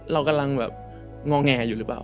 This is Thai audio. เรากำลังแบบงอแงอยู่หรือเปล่า